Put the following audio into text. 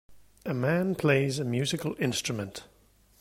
A man plays a musical instrument